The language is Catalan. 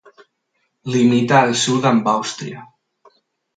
Limita al sud amb Àustria.